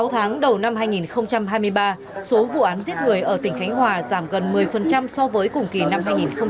sáu tháng đầu năm hai nghìn hai mươi ba số vụ án giết người ở tỉnh khánh hòa giảm gần một mươi so với cùng kỳ năm hai nghìn hai mươi hai